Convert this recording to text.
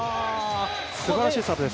すばらしいサーブです。